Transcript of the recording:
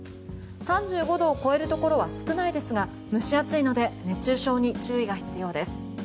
３５度を超えるところは少ないですが、蒸し暑いので熱中症に注意が必要です。